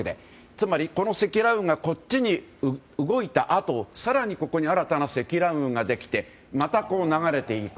つまり、積乱雲がこっちに動いたあと更にここに新たな積乱雲ができてまた、流れていく。